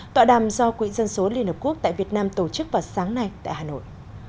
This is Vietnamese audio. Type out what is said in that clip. tọa đàm do quỹ dân số liên hợp quốc tại việt nam tổ chức vào sáng nay tại hà nội